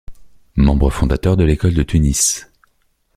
Membre fondateur de l’École de Tunis.